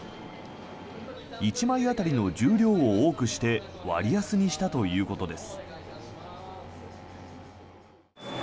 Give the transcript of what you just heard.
１枚当たりの重量を多くして割安にしたということです。